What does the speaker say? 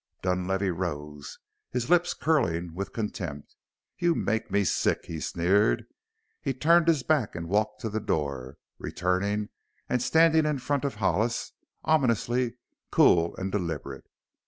Dunlavey rose, his lips curling with contempt. "You make me sick!" he sneered. He turned his back and walked to the door, returning and standing in front of Hollis, ominously cool and deliberate.